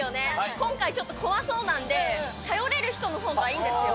今回、ちょっと怖そうなんで、頼れる人のほうがいいんですよ。